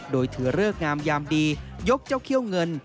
โดยถือเลิกงามยามดียกเจ้าเขี้ยวเงิน